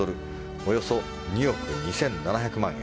およそ２億２７００万円。